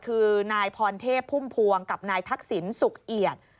คือนายพรเทพพุ่มพวงกับนายทักษิณสุขเอียด